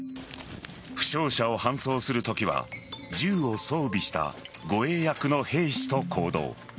負傷者を搬送するときは銃を装備した護衛役の兵士と行動。